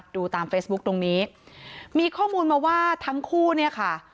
ดูตามเฟซบุ๊คตรงนี้มีข้อมูลมาว่าทั้งคู่เนี่ยค่ะ